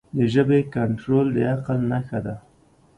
د ژبې کنټرول د عقل نښه ده.